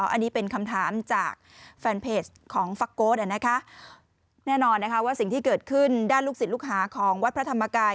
อันนี้เป็นคำถามจากแฟนเพจของฟักโก๊สแน่นอนนะคะว่าสิ่งที่เกิดขึ้นด้านลูกศิษย์ลูกหาของวัดพระธรรมกาย